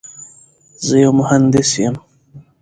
زه یو مهندس یم.